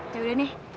ya udah nih